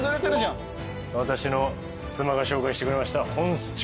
私の妻が紹介してくれました。